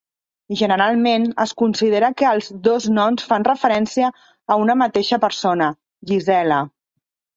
Generalment, es considera que els dos noms fan referència a una mateixa persona, Gisela.